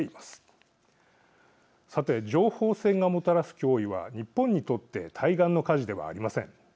さて情報戦がもたらす脅威は日本にとって対岸の火事ではありません。